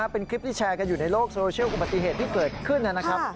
เป็นคลิปที่แชร์กันอยู่ในโลกโซเชียลอุบัติเหตุที่เกิดขึ้นนะครับ